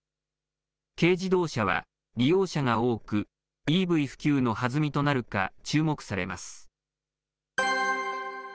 軽自動車は利用者が多く、ＥＶ普及の弾みとなるか注目されます。